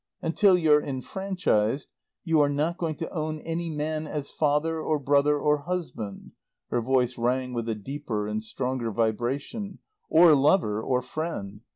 Until you're enfranchised you are not going to own any man as father, or brother or husband" (her voice rang with a deeper and stronger vibration) "or lover, or friend.